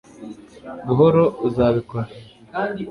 buhoro, uzabikora